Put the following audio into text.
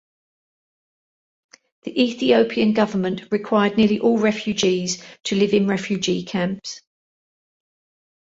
The Ethiopian government required nearly all refugees to live in refugee camps.